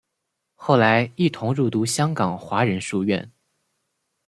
后来一同入读香港华仁书院。